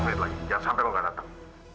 lima belas menit lagi jangan sampai gue gak datang